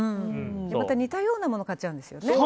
また似たようなもの買っちゃうんですよね。